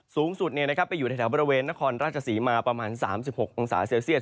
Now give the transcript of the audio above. สูงสุดไปอยู่ในแถวบริเวณนครราชศรีมาประมาณ๓๖องศาเซลเซียต